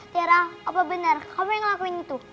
tiara apa benar kamu yang ngelakuin itu